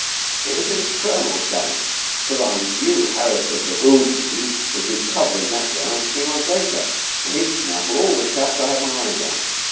It was an infernal shame, because I knew Harris of the Ghuznees would be covering that ground three months later, and he'd snaffle all the chaps I had my eyes on.